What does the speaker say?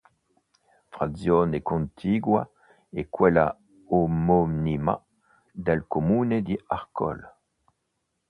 Frazione contigua a quella omonima del comune di Arcole.